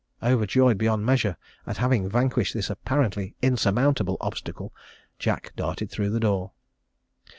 Overjoyed beyond measure at having vanquished this apparently insurmountable obstacle, Jack darted through the door.